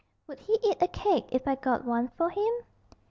'Would he eat a cake if I got one for him?'